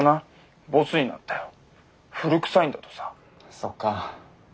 そっか。